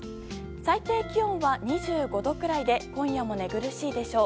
最低気温は２５度くらいで今夜も寝苦しいでしょう。